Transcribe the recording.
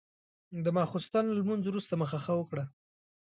د ماسخوتن لمونځ وروسته مخه ښه وکړه.